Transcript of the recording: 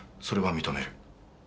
それは認める。